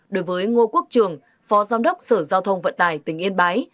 đối với ngô quốc trường phó giám đốc sở giao thông vận tài tỉnh yên bái